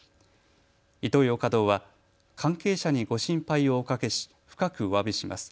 イトーヨーカ堂は関係者にご心配をおかけし深くおわびします。